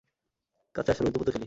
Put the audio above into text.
কাছে আসো লুতুপুতু খেলি।